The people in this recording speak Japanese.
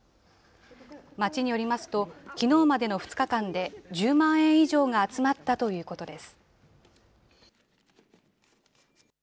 町によりますと、きのうまでの２日間で１０万円以上が集まったということです。